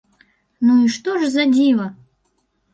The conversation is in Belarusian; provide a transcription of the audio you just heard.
Ну, і што ж за дзіва?